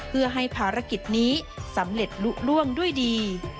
เพื่อให้ภารกิจนี้สำเร็จลุล่วงด้วยดี